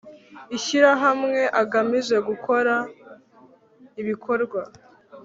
ishyirahamwe agamije gukora ibikorwa